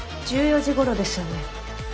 １４時頃ですよね。